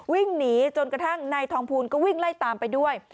วิ่งหนีจนกระทั่งนายทองภูลก็วิ่งไล่ตามไปด้วย